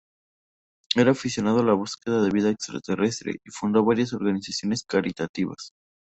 Era aficionado a la búsqueda de vida extraterrestre, y fundó varias organizaciones caritativas.